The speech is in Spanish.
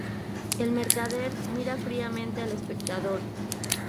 El mercader mira fríamente al espectador.